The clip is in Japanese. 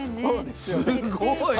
すごい。